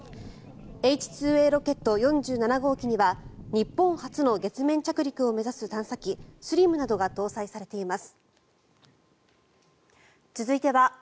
Ｈ２Ａロケット４７号機には日本初の月面着陸を目指す探査機ＳＬＩＭなどが搭載されています。